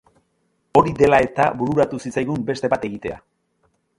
Hori dela eta bururatu zitzaigun beste bat egitea.